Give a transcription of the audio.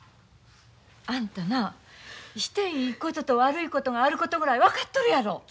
あんたなしていいことと悪いことがあることぐらい分かっとるやろ！